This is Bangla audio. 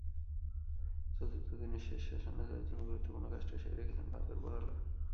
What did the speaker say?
চতুর্থ দিনের শেষ সেশনে জয়ের জন্য গুরুত্বপূর্ণ কাজটা সেরে রেখেছেন ভারতের বোলাররা।